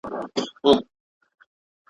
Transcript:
ایا تولستوی د نوبل جایزه اخیستې ده؟